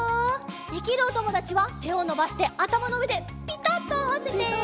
できるおともだちはてをのばしてあたまのうえでピタッとあわせて！